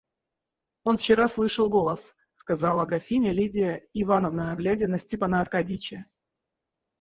Он вчера слышал голос, — сказала графиня Лидия Ивановна, глядя на Степана Аркадьича.